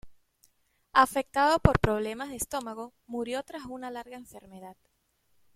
Afectado por problemas de estómago, murió tras una larga enfermedad.